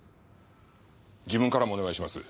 自分からもお願いします。